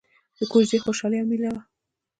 د کوژدې خوشحالي او ميله وه.